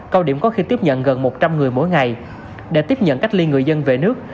cao điểm có khi tiếp nhận gần một trăm linh người mỗi ngày để tiếp nhận cách ly người dân về nước